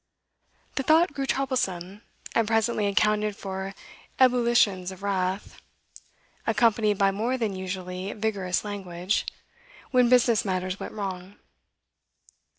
The thought grew troublesome, and presently accounted for ebullitions of wrath, accompanied by more than usually vigorous language, when business matters went wrong.